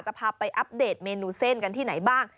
พาไปอัปเดตเมนูเส้นกันที่ไหนบ้าง